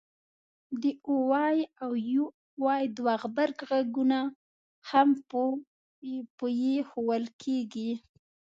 د oy او uy دوه غبرګغږونه هم په ی ښوول کېږي